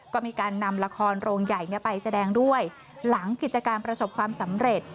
ก็มีการนำละครโรงใหญ่ไปแสดงด้วยหลังกิจการประสบความสำเร็จ